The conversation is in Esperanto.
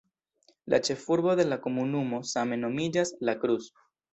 La ĉefurbo de la komunumo same nomiĝas "La Cruz".